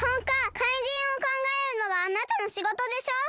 かいじんをかんがえるのがあなたのしごとでしょ！